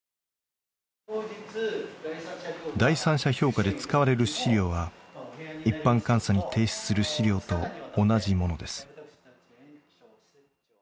第三者評価で使われる資料は一般監査に提出する資料と同じものです。